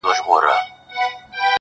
د سيند پر غاړه، سندريزه اروا وچړپېدل.